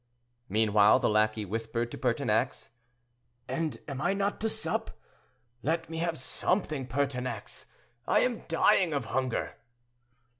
Meanwhile the lackey whispered to Pertinax, "And am I not to sup? Let me have something, Pertinax. I am dying of hunger."